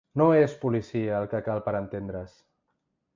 No és policia el que cal per entendre’s.